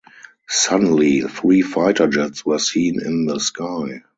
Suddenly three fighter jets were seen in the sky.